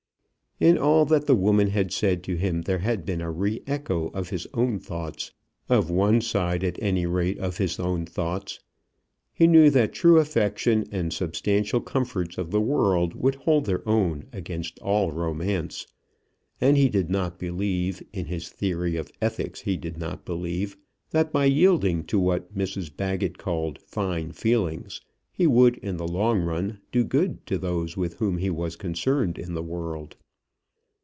In all that the woman had said to him, there had been a re echo of his own thoughts, of one side, at any rate, of his own thoughts. He knew that true affection, and the substantial comforts of the world, would hold their own against all romance. And he did not believe, in his theory of ethics he did not believe, that by yielding to what Mrs Baggett called fine feelings, he would in the long run do good to those with whom he was concerned in the world.